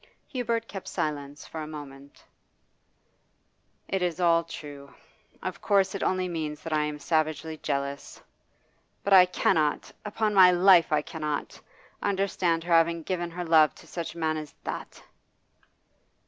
Hubert kept silence for a moment. 'It is all true. Of course it only means that I am savagely jealous. But I cannot upon my life I cannot understand her having given her love to such a man as that!